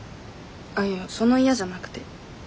あっいやその嫌じゃなくて。